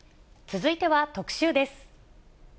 続いては特集です。